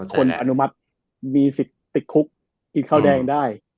คนอนุมัติมีสิทธิ์ติดคุกกินข้าวแดงได้